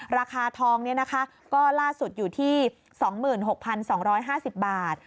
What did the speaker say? ราคาทองก็ล่าสุดอยู่ที่๒๖๒๕๐บาท